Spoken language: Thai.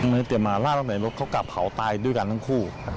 เมื่อเตรียมมาลาดตั้งแต่รถเขากลับเผาตายด้วยกันทั้งคู่